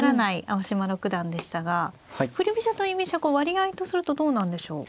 青嶋六段でしたが振り飛車と居飛車割合とするとどうなんでしょう。